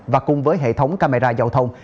và cùng với hệ thống camera giao thông